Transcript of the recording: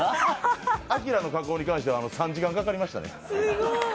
明の加工に関しては３時間かかりましたね。